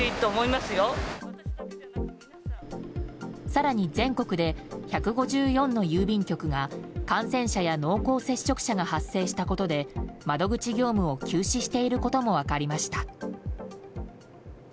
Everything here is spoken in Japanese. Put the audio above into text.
更に全国で１５４の郵便局が感染者や濃厚接触者が発生したことで窓口業務を休止していることも分かりました。